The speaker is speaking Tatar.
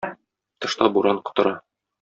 Тышта буран котыра.